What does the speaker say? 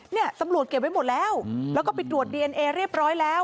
เนี่ยตำรวจเก็บไว้หมดแล้วแล้วก็ไปตรวจดีเอนเอเรียบร้อยแล้ว